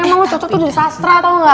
emang lo cocok tuh jadi sastra tau ga